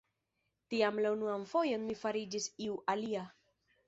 Tiam la unuan fojon mi fariĝis iu alia.